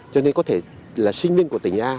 cho nên có thể là sinh viên của tỉnh a